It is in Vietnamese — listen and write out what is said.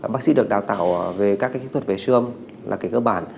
bác sĩ được đào tạo về các cái kỹ thuật về sương là cái cơ bản